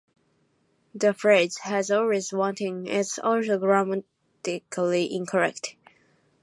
The phrase "has always wanting" is also grammatically incorrect.